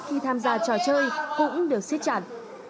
khi tham gia trò chơi cũng đều siết chặt